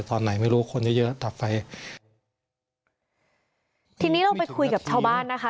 ตอนไหนไม่รู้คนเยอะเยอะดับไฟทีนี้เราไปคุยกับชาวบ้านนะคะ